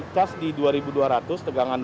cas di dua ribu dua ratus tegangan dua ribu dua ratus